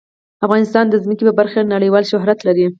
افغانستان د ځمکه په برخه کې نړیوال شهرت لري.